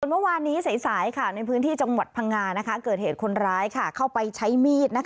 เมื่อวานนี้สายในพื้นที่จังหวัดพังงาเกิดเหตุคนร้ายเข้าไปใช้มีด